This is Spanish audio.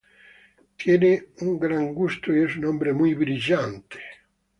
Tiene un gran gusto y es un hombre muy brillante.